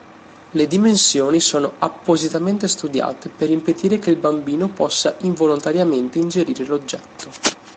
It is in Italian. Le dimensioni sono appositamente studiate per impedire che il bambino possa involontariamente ingerire l'oggetto.